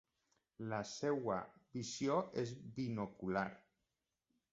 La seva visió és binocular.